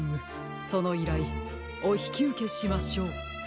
そのいらいおひきうけしましょう。